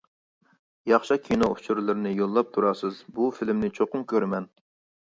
ياخشى كىنو ئۇچۇرلىرىنى يوللاپ تۇرارسىز، بۇ فىلىمنى چوقۇم كۆرىمەن.